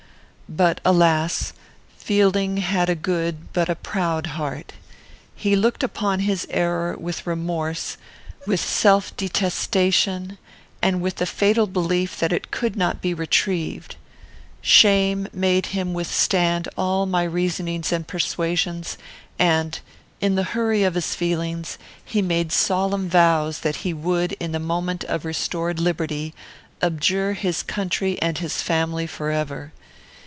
"But, alas! Fielding had a good but a proud heart. He looked upon his error with remorse, with self detestation, and with the fatal belief that it could not be retrieved; shame made him withstand all my reasonings and persuasions, and, in the hurry of his feelings, he made solemn vows that he would, in the moment of restored liberty, abjure his country and his family forever.